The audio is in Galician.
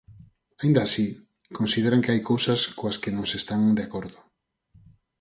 Aínda así, consideran que hai cousas coas que non están de acordo.